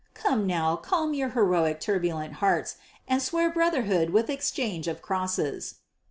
Come now, calm your heroic turbulent hearts and swear brotherhood with exchange of crosses."